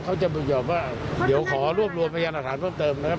เขาจะบึกยอมว่าเดี๋ยวขอรวบรวมพยานหลักฐานเพิ่มเติมนะครับ